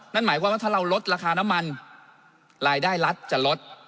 นั่นหมายความว่าถ้าเราลดราคาน้ำมันรายได้รัฐจะลด